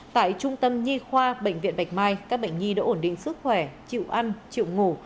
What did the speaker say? tại trung tâm nhi khoa bệnh viện bạch mai các bệnh nhi đã ổn định sức khỏe chịu ăn chịu ngủ